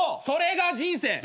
それが人生。